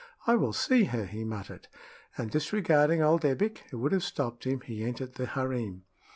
"I will see her," he muttered, and disregarding old Ebbek, who would have stopped him, he entered the harem.